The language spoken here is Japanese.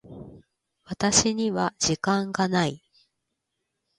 私には時間がない。